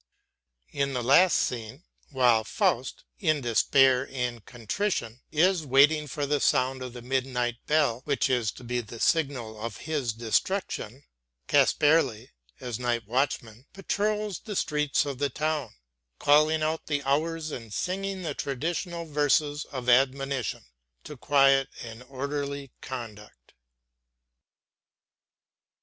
In the last scene, while Faust in despair and contrition is waiting for the sound of the midnight bell which is to be the signal of his destruction, Casperle, as night watchman, patrols the streets of the town, calling out the hours and singing the traditional verses of admonition to quiet and orderly conduct.